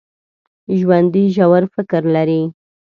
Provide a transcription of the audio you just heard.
ژوندي ژور فکر لري